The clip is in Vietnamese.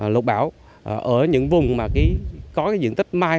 lột bão ở những vùng mà có diện tích mai